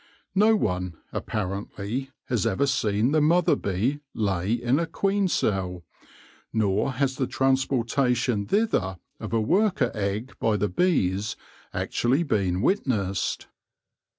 No one, apparently, has ever seen the mother bee lay in a queen cell, nor has the transportation thither of a worker egg by the bees actually been witnessed.